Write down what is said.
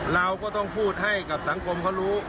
เราก็ต้องพูดให้กับสังคมเขารู้